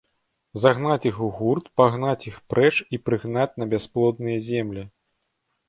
Загнаць іх у гурт пагнаць іх прэч і прыгнаць на бясплодныя землі.